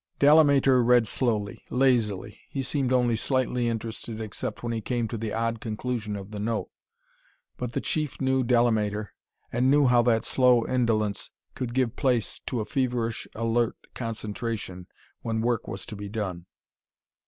'"Delamater read slowly lazily. He seemed only slightly interested except when he came to the odd conclusion of the note. But the Chief knew Delamater and knew how that slow indolence could give place to a feverish, alert concentration when work was to be done.